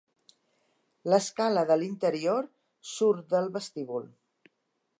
L'escala de l'interior surt del vestíbul.